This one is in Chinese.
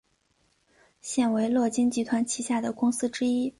现为乐金集团旗下的公司之一。